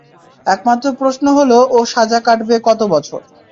একমাত্র প্রশ্ন হলো, ও সাজা কাটবে কত বছর?